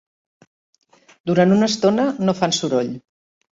Durant una estona, no fan soroll.